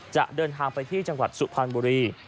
จะเดินทางไปที่จังหวัดสุพรรณบุรี